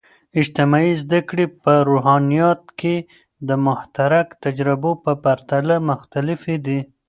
اجتماعي زده کړې په روحانيات کې د متحرک تجربو په پرتله مختلفې دي.